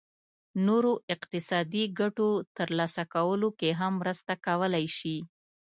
نورو اقتصادي ګټو ترلاسه کولو کې هم مرسته کولای شي.